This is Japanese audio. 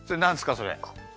それ。